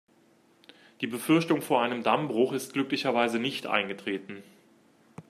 Die Befürchtung vor einem Dammbruch ist glücklicherweise nicht eingetreten.